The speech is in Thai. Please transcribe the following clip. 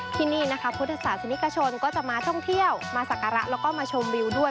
ที่นี่นะคะพุทธศาสนิกชนก็จะมาท่องเที่ยวมาสักการะแล้วก็มาชมวิวด้วย